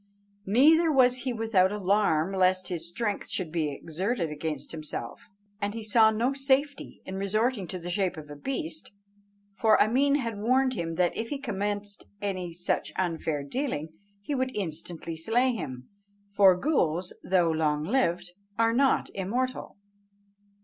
Neither was he without alarm lest his strength should be exerted against himself, and he saw no safety in resorting to the shape of a beast, for Ameen had warned him that if he commenced any such unfair dealing, he would instantly slay him; for ghools, though long lived, are not immortal.